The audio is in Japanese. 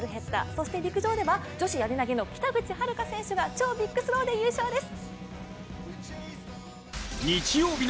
そして陸上では女子やり投の北口榛花選手が超ビッグスローで優勝です。